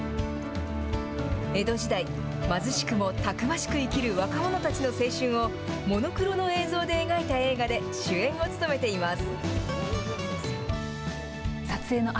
江戸時代、貧しくもたくましく生きる若者たちの青春を、モノクロの映像で描いた映画で、主演を務めています。